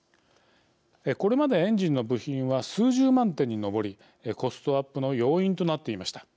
これまでエンジンの部品は数十万点に上りコストアップの要因となっていました。